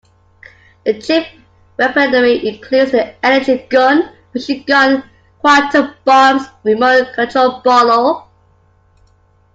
The chip-weaponry includes the Energy Gun, Fusion Gun, Quantum Bombs and Remote-Controlled Bolo.